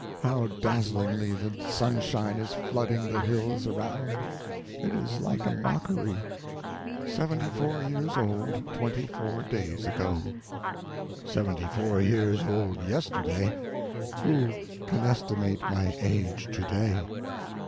How dazzlingly the sunshine is flooding the hills around! It is like a mockery. Seventy four years old twenty four days ago. Seventy four years old yesterday. Who can estimate my age today?